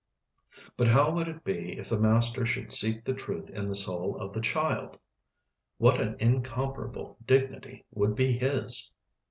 But how would it be if the master should seek the truth in the soul of the child? What an incomparable dignity would be his!